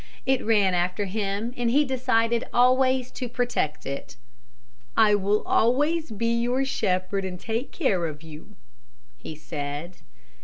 It ran after him and he decided always to protect it. "I will always be your shepherd and take care of you," he said.